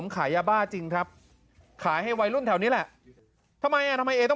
ขายยาบ้าจริงครับขายให้วัยรุ่นแถวนี้แหละทำไมอ่ะทำไมเอต้อง